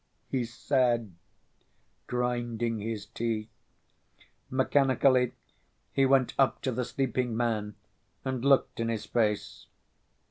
he said, grinding his teeth. Mechanically he went up to the sleeping man and looked in his face.